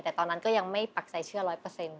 แต่ตอนนั้นก็ยังไม่ปรักษัยเชื่อ๑๐๐